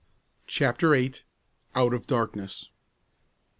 CHAPTER VIII. OUT OF DARKNESS.